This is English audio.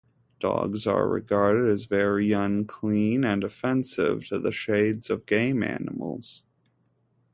Dogs are regarded as very unclean and offensive to the shades of game animals.